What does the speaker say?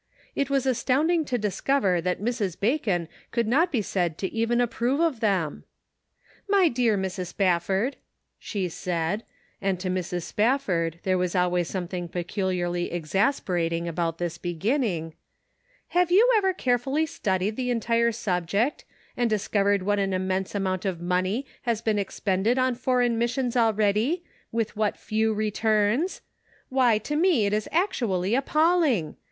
It was astounding to discover that Mrs. Bacon could not be said to even approve of them ! "My dear Mrs. Spafford," she said — and to Mrs. Spafford there was always something peculiarly exasperating about this beginning —" have you ever carefully studied the en tire subject, and discovered what an immense amount of money has been expended on Foreign Missions already, with what few returns ? "Why, to me it is actually appalling